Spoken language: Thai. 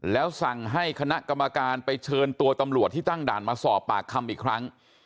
แล้วสั่งให้คณะกรรมการไปเชิญตัวตำรวจที่ตั้งด่านมาสอบปากคำอีกครั้ง